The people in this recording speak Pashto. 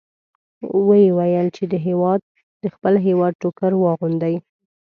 ویې ویل چې د خپل هېواد ټوکر واغوندئ.